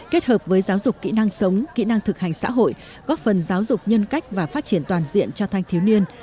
kết hợp với giáo dục kỹ năng sống kỹ năng thực hành xã hội góp phần giáo dục nhân cách và phát triển toàn diện cho thanh thiếu niên